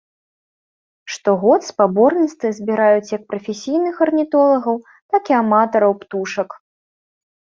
Штогод спаборніцтвы збіраюць як прафесійных арнітолагаў, так і аматараў птушак.